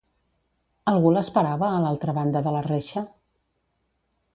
Algú l'esperava a l'altra banda de la reixa?